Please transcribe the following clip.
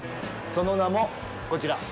その名も、こちら。